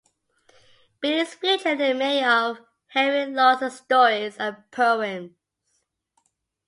Billies feature in many of Henry Lawson's stories and poems.